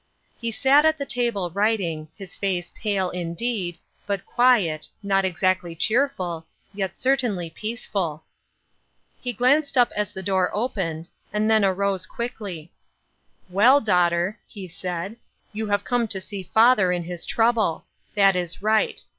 He sat at the table, writing, his face pale, indeed, but quiet, not exactly cheerful, yet certainly peace ful. He glanced up as the door opened, and then 886 liuth ErMnes Crosset, arose quickly. " Well, daughter," lie said, " you have come to see father in his trouble. That is right.